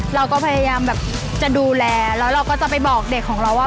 เราก็พยายามแบบจะดูแลแล้วเราก็จะไปบอกเด็กของเราว่า